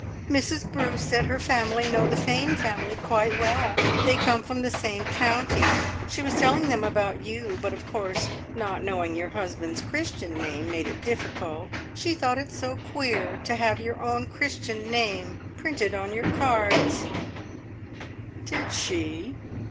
"Mrs Bruce said her family know the Fane family quite well. They come from the same county. She was telling them about you, but, of course, not knowing your husband's Christian name made it difficult. She thought it so queer to have your own Christian name printed on your cards " "Did she?"